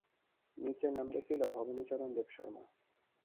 নীচে নাম দেখিল, ভবানীচরণ দেবশর্মা।